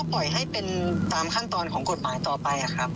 ปล่อยให้เป็นตามขั้นตอนของกฎหมายต่อไปครับ